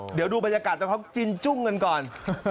เดี๋ยวดูบรรยากาศตอนเขาจินจุ้งกันก่อน